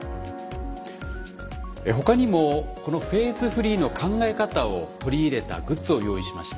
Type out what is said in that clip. ほかにもこのフェーズフリーの考え方を取り入れたグッズを用意しました。